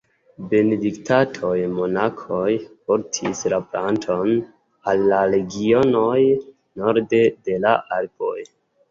Benediktanoj-monakoj portis la planton al la regionoj norde de la Alpoj.